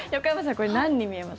これ、何に見えます？